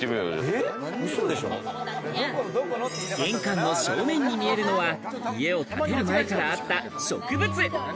玄関の正面に見えるのは家を建てる前からあった植物。